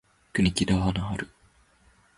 国木田花丸